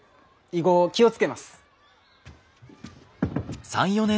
以後気を付けます。